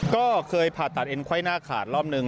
ก็เคยผ่าตัดเอ็นไข้หน้าขาดรอบหนึ่ง